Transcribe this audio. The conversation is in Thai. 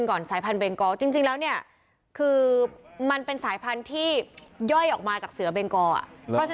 นี่นี่นี่นี่นี่นี่นี่นี่นี่นี่นี่นี่นี่